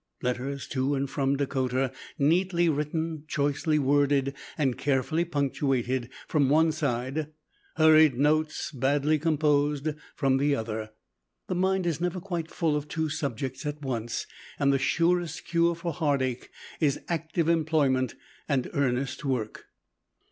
Letters to and from Dakota, neatly written, choicely worded, and carefully punctuated, from one side; hurried notes, badly composed, from the other. The mind is never quite full of two subjects at once, and the surest cure for heartache is active employment and earnest work.